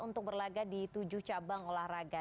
untuk berlaga di tujuh cabang olahraga